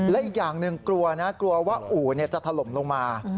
และอีกอย่างหนึ่งกลัวนะกลัวว่าอู่จะถล่มลงมา